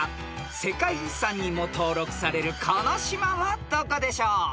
［世界遺産にも登録されるこの島はどこでしょう？］